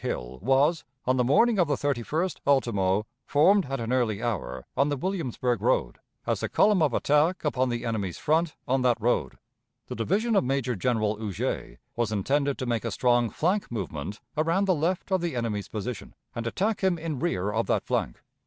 Hill was, on the morning of the 31st ultimo, formed at an early hour on the Williamsburg road, as the column of attack upon the enemy's front on that road. ... The division of Major General Huger was intended to make a strong flank movement around the left of the enemy's position, and attack him in rear of that flank.